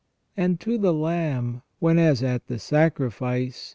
And to the Lamb, when, as at the sacrifice.